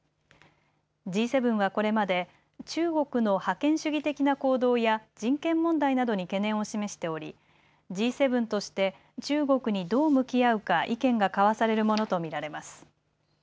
Ｇ７はこれまで中国の覇権主義的な行動や人権問題などに懸念を示しておりＧ７として中国にどう向き合うか意見が交わされるものと見られます。